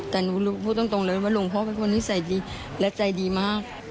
แต่หนูพูดตรงเลยว่าหลวงพ่อเป็นคนนิสัยดีและใจดีมาก